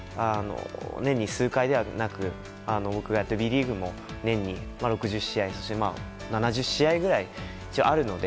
年に数回ではなく僕がやっているＢリーグも年に６０試合７０試合ぐらい、あるので。